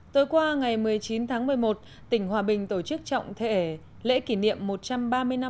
tối qua ngày một mươi chín tháng một mươi một tỉnh hòa bình tổ chức trọng thể lễ kỷ niệm một trăm ba mươi năm